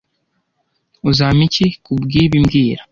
Uzampa iki kubwibi mbwira